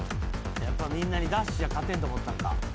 やっぱみんなにダッシュは勝てんって思ったんか。